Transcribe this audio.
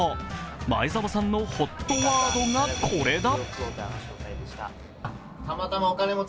前澤さんのＨＯＴワードがこれだ。